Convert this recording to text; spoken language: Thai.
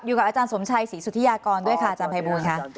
อยู่กับอาจารย์สมชัยศรีสุธิยากรด้วยค่ะอาจารย์ภัยบูลค่ะ